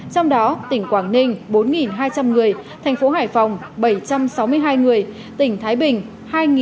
trong đó tỉnh quảng ninh bốn hai trăm linh người thành phố hải phòng bảy trăm sáu mươi hai người tỉnh thái bình hai bảy trăm chín mươi sáu người